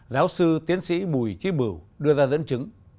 giáo sư tiến sĩ bùi trí bửu đưa ra dẫn chứng